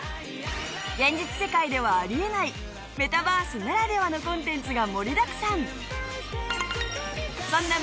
現実世界ではあり得ないメタバースならではのコンテンツが盛りだくさん！